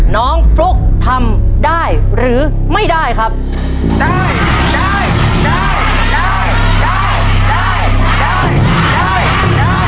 น้องฟลุกทำได้หรือไม่ได้ครับ